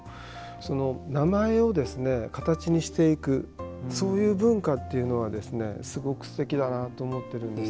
その名前を形にしていくそういう文化というのはすごくすてきだなと思っているんです。